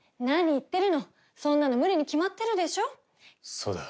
そうだ。